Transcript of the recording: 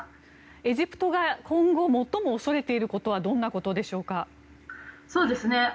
エジプトが今後、最も恐れていることはどんなことでしょうか？